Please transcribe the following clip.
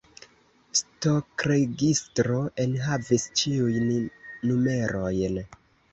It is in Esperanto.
Stokregistro enhavis ĉiujn numerojn.